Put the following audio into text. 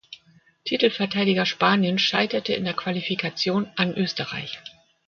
Titelverteidiger Spanien scheiterte in der Qualifikation an Österreich.